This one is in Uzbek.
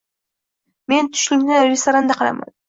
Men tushlikni restoranda qilaman.